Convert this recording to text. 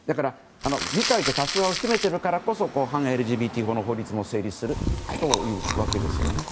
議会で多数派を占めているからこそ反ＬＧＢＴ法も成立するというわけです。